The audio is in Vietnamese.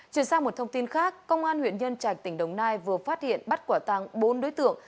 chuyển sang một thông tin khác công an huyện nhân trạch tỉnh đồng nai vừa phát hiện bắt quả tăng bốn đối tượng